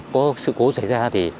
có sự cố xảy ra thì